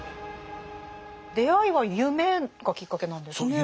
出会いは夢がきっかけなんですね。